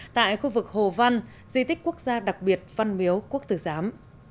tại khu vực hồ văn di tích quốc gia đặc biệt văn miếu quốc tử giám